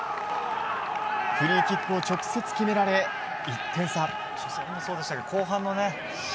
フリーキックを直接決められ１点差。